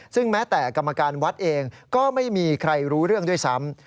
ซึ่งแม้แต่กรรมการวัดเองก็ไม่มีใครรู้เรื่องด้วยซ้ำ